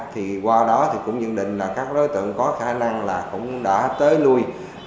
thì qua đó thì cũng nhận định là các đối tượng có khả năng là cũng đã tới nuôi